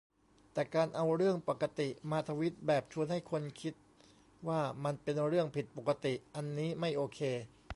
แต่การเอา "เรื่องปกติ" มาทวีตแบบชวนให้คนคิดว่ามันเป็นเรื่องผิดปกติ อันนี้ไม่โอเค